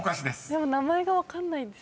でも名前が分かんないです。